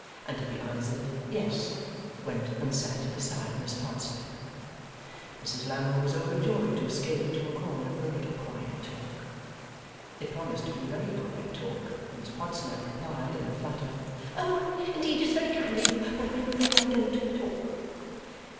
and to be answered, 'Yes,' went and sat beside Miss Podsnap. Mrs Lammle was overjoyed to escape into a corner for a little quiet talk. It promised to be a very quiet talk, for Miss Podsnap replied in a flutter, 'Oh! Indeed, it's very kind of you, but I am afraid I DON'T talk.